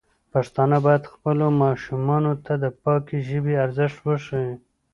پښتانه بايد خپلو ماشومانو ته د پاکې ژبې ارزښت وښيي.